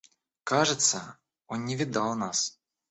Кажется, он не видал нас.